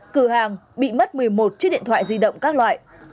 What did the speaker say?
cửa hàng bị mất một mươi một chiếc điện thoại di động các loại